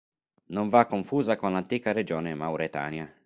Non va confusa con l'antica regione Mauretania.